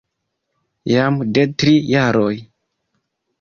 Jam de tri jaroj.